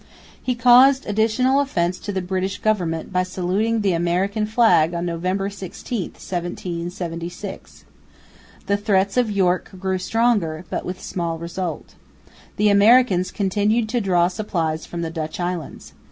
He caused additional offence to the British government by saluting the American flag on November 16, 1776. The threats of Yorke grew stronger, but with small result. The Americans continued to draw supplies from the Dutch islands.